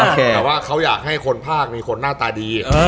แต่ว่าเขาอยากให้คนภาคมีคนหน้าตาดี